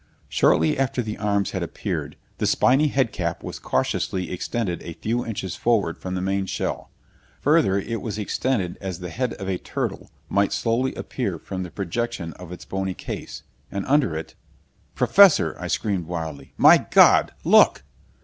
Shortly after the arms had appeared, the spiny head cap was cautiously extended a few inches forward from the main shell. Further it was extended as the head of a turtle might slowly appear from the protection of its bony case. And under it "Professor!" I screamed wildly. "My God! Look!"